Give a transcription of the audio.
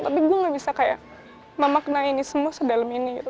tapi gue gak bisa kayak memaknai ini semua sedalam ini gitu